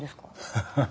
ハハハ